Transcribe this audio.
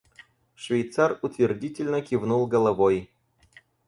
Швейцар утвердительно кивнул головой.